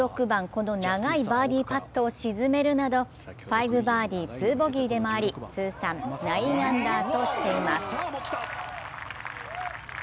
この長いバーディーパットを沈めるなど５バーディー・２ボギーで回り通算９アンダーとしています。